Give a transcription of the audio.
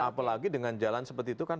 apalagi dengan jalan seperti itu kan